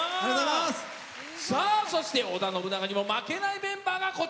そして織田信長にも負けない豪華なメンバーが。